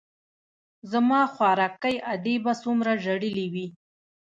زما خواركۍ ادې به څومره ژړلي وي.